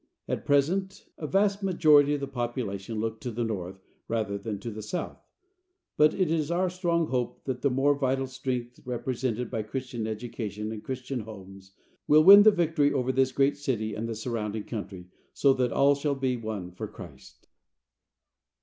At present a vast majority of the population look to the north rather than to the south, but it is our strong hope that the more vital strength represented by Christian education and Christian homes will win the victory over this great city and the surrounding country, so that all shall be won for Christ.